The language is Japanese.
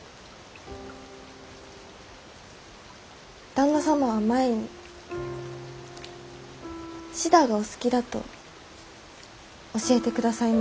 旦那様は前にシダがお好きだと教えてくださいました。